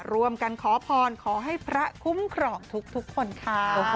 รวมกันขอพรขอให้พระคุ้มครองทุกคนค่ะ